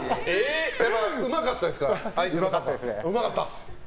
うまかったですね。